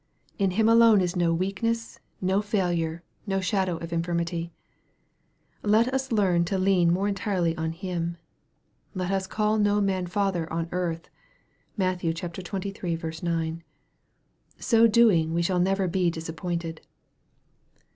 In Him alone is no weakness, no failure, n;> shadow of infirmity. Let us learn to lean more entirely on Him. Let us " call no man father on earth/' (Matt, xxiii. 9.) So doing, we shall never be disappointed.